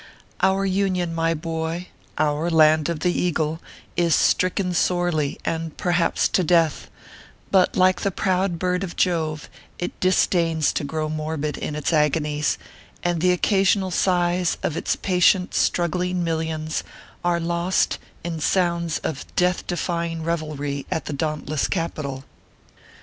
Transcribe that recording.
Our Union, my boy our Land of the Eagle is stricken sorely, and perhaps to death ; but like the proud bird of Jove, it disdains to grow morbid in its agonies ; and the occasional sighs of its patient struggling millions, are lost in sounds of death defy ing revelry at the dauntless capital.